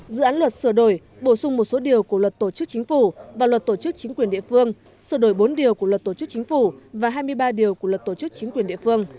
dự án luật sửa đổi bổ sung một số điều của luật tổ chức chính phủ và luật tổ chức chính quyền địa phương sửa đổi bốn điều của luật tổ chức chính phủ và hai mươi ba điều của luật tổ chức chính quyền địa phương